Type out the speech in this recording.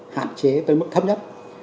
hạn chế tới mức thấp nhất